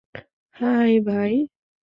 High, ভাই।